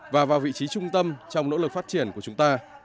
và vào vị trí trung tâm trong nỗ lực phát triển của chúng ta